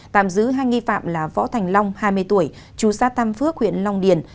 tạm giữ hai nghi phạm là võ thành long hai mươi tuổi chú xã tam phước huyện long điền